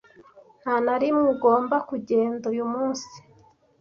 Nta na rimwe ugomba kugenda uyu munsi.